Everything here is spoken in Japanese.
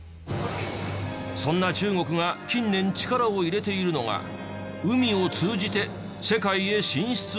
そんな中国が近年力を入れているのが海を通じて世界へ進出する事。